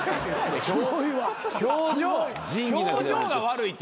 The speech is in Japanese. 表情が悪いって。